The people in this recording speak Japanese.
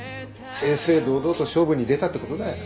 正々堂々と勝負に出たってことだよ。